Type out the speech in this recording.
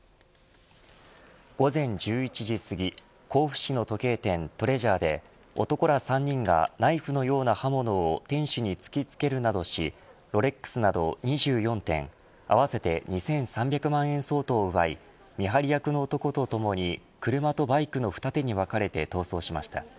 午前１１時すぎ甲府市の時計店トレジャーで男ら３人がナイフのような刃物を店主に突き付けるなどしロレックスなど２４点合わせて２３００万円相当を奪い見張り役の男とともに車とバイクの二手に分かれて逃走しました。